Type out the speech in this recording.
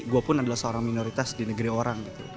gue pun adalah seorang minoritas di negeri orang